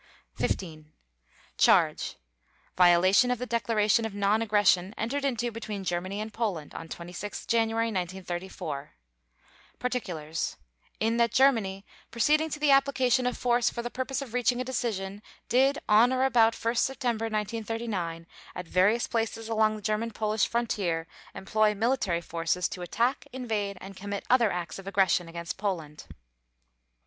XV CHARGE: Violation of the Declaration of Non Aggression entered into between Germany and Poland on 26 January 1934. PARTICULARS: In that Germany proceeding to the application of force for the purpose of reaching a decision did, on or about 1 September 1939, at various places along the German Polish frontier employ military forces to attack, invade, and commit other acts of aggression against Poland.